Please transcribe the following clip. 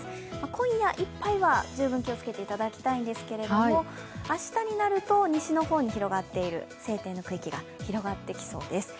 今夜いっぱいは十分気をつけていただきたいんですけど明日になると西の方に広がっている晴天の区域が広がってきそうです。